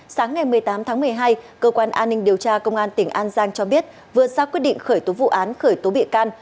sáng ngày một mươi tám tháng một mươi hai cơ quan an ninh điều tra công an tỉnh an giang cho biết vừa ra quyết định khởi tố vụ án khởi tố bị can